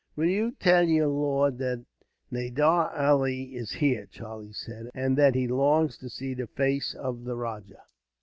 "Will you tell your lord that Nadir Ali is here," Charlie said, "and that he longs to see the face of the rajah."